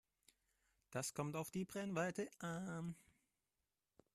Das kommt auf die Brennweite an.